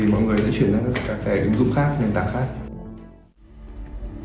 tại vì mọi người sẽ chuyển sang các cái ứng dụng khác nền tảng khác